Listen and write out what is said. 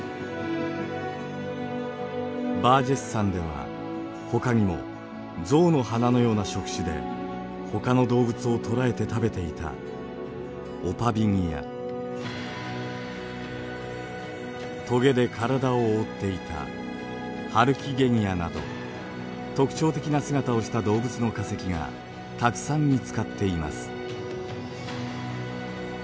バージェス山ではほかにも象の鼻のような触手でほかの動物を捕らえて食べていたとげで体を覆っていたハルキゲニアなど特徴的な姿をした動物の化石がたくさん見つかっています。